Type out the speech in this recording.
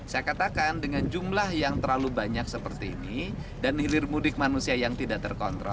saya katakan dengan jumlah yang terlalu banyak seperti ini dan hilir mudik manusia yang tidak terkontrol